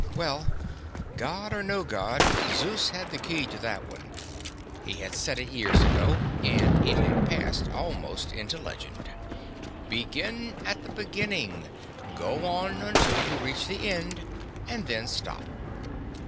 Well, God or no God, Zeus had the key to that one. He had said it years ago, and it had passed almost into legend: "Begin at the beginning, go on until you reach the end, and then stop."